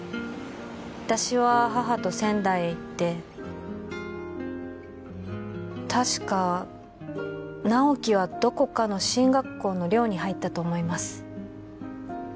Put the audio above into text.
私は母と仙台へ行って確か直木はどこかの進学校の寮に入ったと思います